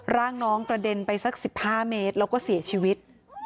ร่างน้องกระเด็นไปสัก๑๕เมตรแล้วก็เสียชีวิต